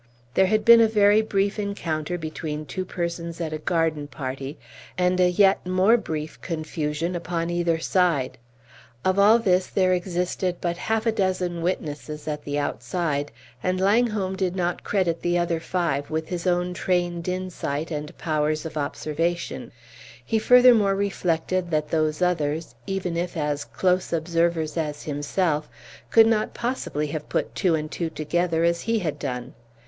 There had been a very brief encounter between two persons at a garden party, and a yet more brief confusion upon either side. Of all this there existed but half a dozen witnesses, at the outside, and Langholm did not credit the other five with his own trained insight and powers of observation; he furthermore reflected that those others, even if as close observers as himself, could not possibly have put two and two together as he had done.